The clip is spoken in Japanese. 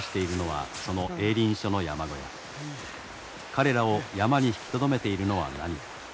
彼らを山に引きとどめているのは何か。